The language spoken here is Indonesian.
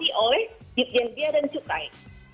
diawasi oleh bipjen bia dan cukai